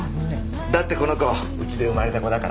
だってこの子うちで生まれた子だから。